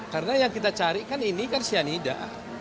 karena yang kita carikan ini kan sianida